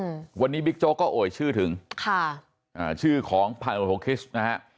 อืมวันนี้บิ๊กโจ๊กก็เอ่ยชื่อถึงค่ะอ่าชื่อของพันธุคิสนะฮะ